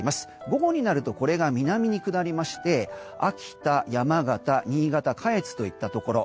午後になるとこれが南に下りまして秋田、山形新潟下越といったところ。